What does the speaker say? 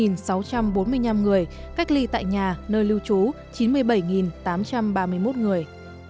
một sáu trăm bốn mươi năm người cách ly tại nhà nơi lưu trú chín mươi bảy tám trăm ba mươi một người